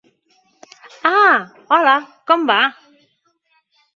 Ah, hola, com va?